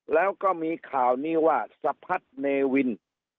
แล้วก็มีข่าวนี้ว่าสะพัดเนวิน